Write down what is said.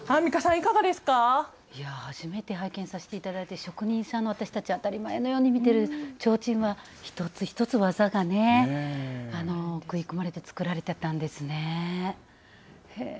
いや初めて拝見させていただいて職人さんたち当たり前のように見ているちょうちんは一つ一つ技がね食い込まれて作られていたんですね。